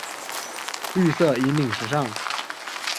绿色引领时尚。